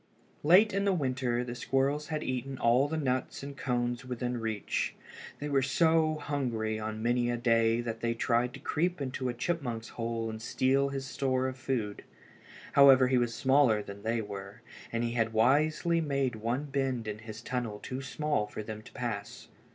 Late in the winter the squirrels had eaten all the nuts and cones within reach. They were so hungry on many a day that they tried to creep into a chipmunk's hole and steal his store of food. However he was smaller than they were, and he had wisely made one bend in his tunnel too small for them to pass.